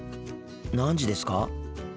何時ですか？